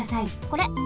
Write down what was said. これ。